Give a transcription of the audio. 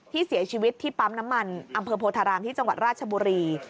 ที่เสียชีวิตที่ปั๊มน้ำมันอำเภอโพธารามที่จังหวัดราชบุรี